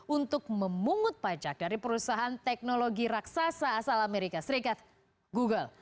untuk memungut pajak dari perusahaan teknologi raksasa asal amerika serikat google